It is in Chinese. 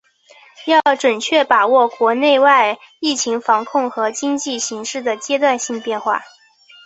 要准确把握国内外疫情防控和经济形势的阶段性变化